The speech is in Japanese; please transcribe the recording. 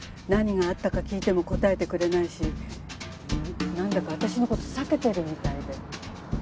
何があったか聞いても答えてくれないしなんだか私の事避けてるみたいで。